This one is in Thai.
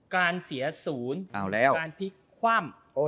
การเสียศูนย์การพลิกคว่ำ